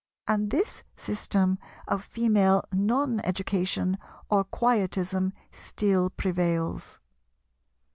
And this system of female non education or quietism still prevails.